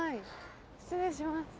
失礼します。